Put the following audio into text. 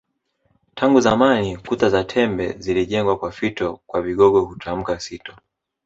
Tangu zamani kuta za tembe zilijengwa kwa fito kwa Kigogo hutamkwa sito